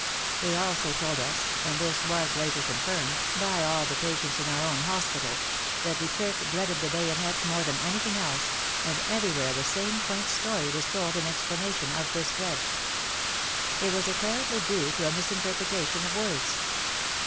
They also told us, and this was later confirmed 54 WAR AND WOMEN by all the patients in our own hospital, that the Turk dreaded the bayonet more than anything else, and everywhere the same quaint story was told in explanation of this dread. It was apparently due to a misinterpretation of words.